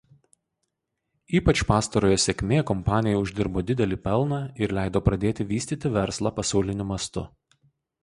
Ypač pastarojo sėkmė kompanijai uždirbo didelį pelną ir leido pradėti vystyti verslą pasauliniu mastu.